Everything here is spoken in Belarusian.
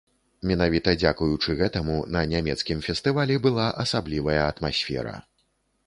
Менавіта дзякуючы гэтаму на нямецкім фестывалі была асаблівая атмасфера.